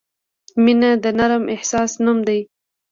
• مینه د نرم احساس نوم دی.